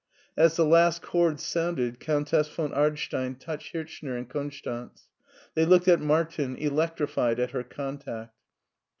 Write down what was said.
As the last chord sounded, Countess von Ardstein touched Hirchner and Konstanz. They looked at Mar tin, electrified at her contact.